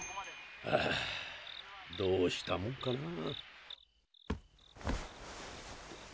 ああどうしたもんかな。